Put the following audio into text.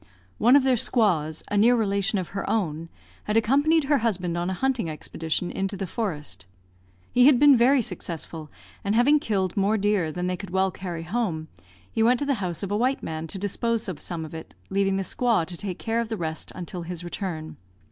One of their squaws, a near relation of her own, had accompanied her husband on a hunting expedition into the forest. He had been very successful, and having killed more deer than they could well carry home, he went to the house of a white man to dispose of some of it, leaving the squaw to take care of the rest until his return.